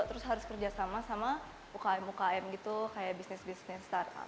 terus harus kerja sama ukm ukm gitu kayak bisnis bisnis start up